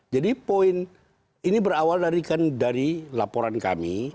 jadi poin ini berawal dari laporan kami